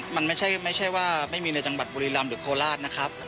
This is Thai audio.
มันไม่ใช่ว่าไม่มีในจังหวัดบุรีรำหรือโคราชนะครับ